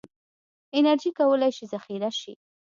انرژي کولی شي ذخیره شي.